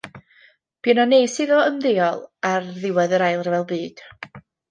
Bu yno nes iddo ymddeol ar ôl diwedd yr Ail Ryfel Byd.